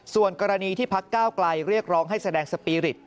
ส่วนกรณีที่พักก้าวไกลเรียกร้องให้แสดงสปีริต